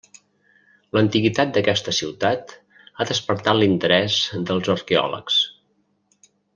L'antiguitat d'aquesta ciutat ha despertat l'interès dels arqueòlegs.